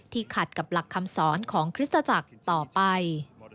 ขัดกับหลักคำสอนของคริสตจักรต่อไป